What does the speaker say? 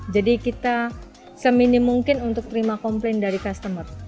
jadi kita seminim mungkin untuk terima komplain dari customer